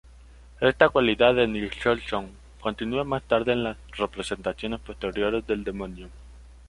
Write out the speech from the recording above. Esta "cualidad de Nicholson" continúa más tarde en las representaciones posteriores del demonio.